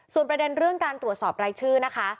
ส่วนประเด็นเรื่องการตรวจสอบรายชื่อนะคะ